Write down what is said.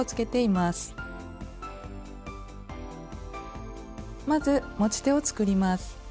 まず持ち手を作ります。